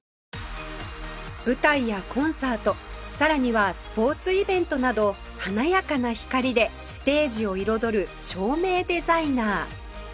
舞台やコンサートさらにはスポーツイベントなど華やかな光でステージを彩る照明デザイナー